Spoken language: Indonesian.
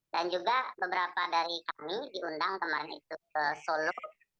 dan juga beberapa dari kami diundang kemarin itu ke solo